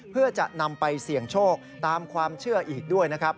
เพื่อจะนำไปเสี่ยงโชคตามความเชื่ออีกด้วยนะครับ